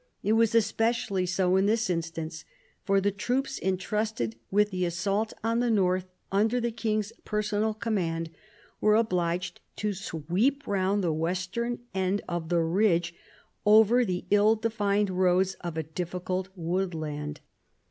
It was especially so in this instance. For the troops entrusted with the assault on the north, under the king's personal command, were obliged to sweep round the western end of the ridge over the ill defined roads of a difficult woodland.